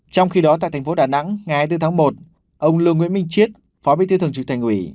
trong khi đó tại thành phố đà nẵng ngày hai mươi bốn tháng một ông lưu nguyễn minh chiết phó bí thư thường trực thành ủy